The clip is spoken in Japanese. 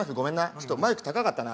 ちょっとマイク高かったな。